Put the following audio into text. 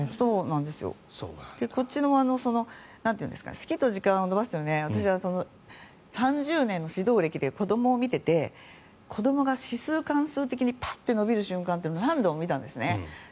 こっちの好きと得意を伸ばすというのは私は３０年の指導歴で子どもを見ていて子どもが指数関数的にパッて伸びる瞬間を何度も見たんですね。